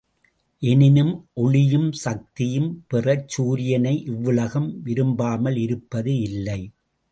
எனினும் ஒளியும் சக்தியும் பெறச் சூரியனை இவ்வுலகம் விரும்பாமல் இருப்பது இல்லை.